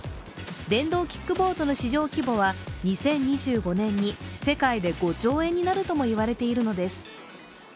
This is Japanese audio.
電動キックボードの市場規模は２０２５年に世界で５兆円になるとも言われているのです。